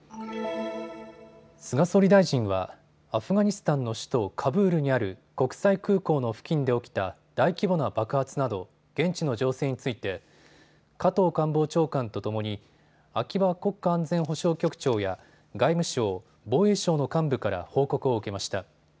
菅総理大臣はアフガニスタンの首都カブールにある国際空港の付近で起きた大規模な爆発など現地の情勢について加藤官房長官とともに秋葉国家安全保障局長や外務省、防衛省の幹部から報告を受けました。